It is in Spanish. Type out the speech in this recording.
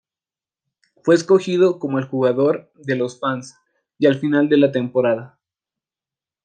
Fue escogido como el 'Jugador de los fans' al final de la temporada.